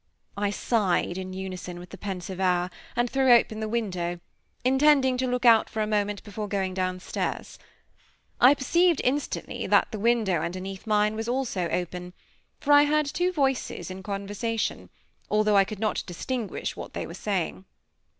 I sighed in unison with the pensive hour, and threw open the window, intending to look out for a moment before going downstairs. I perceived instantly that the window underneath mine was also open, for I heard two voices in conversation, although I could not distinguish what they were saying.